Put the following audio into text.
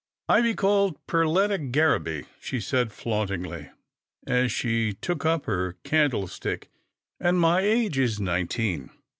" I be called Perletta Gar raby," she said flauntingly, as she took up her can dlestick, " an' my age is nineteen.